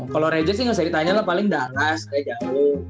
kalau orejo sih gak usah ditanya lah paling dallas kayak jauh